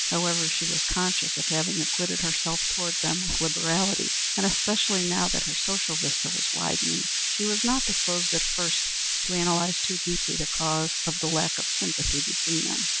However, she was conscious of having acquitted herself toward them with liberality, and, especially now that her social vista was widening, she was not disposed at first to analyze too deeply the cause of the lack of sympathy between them.